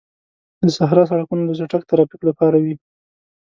د صحرا سړکونه د چټک ترافیک لپاره وي.